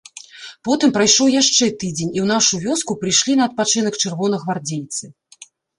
Потым прайшоў яшчэ тыдзень, і ў нашу вёску прыйшлі на адпачынак чырвонагвардзейцы.